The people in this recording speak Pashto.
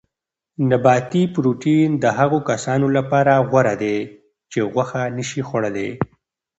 نباتي پروټین د هغو کسانو لپاره غوره دی چې غوښه نه شي خوړلای.